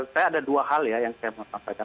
saya ada dua hal ya yang saya mau sampaikan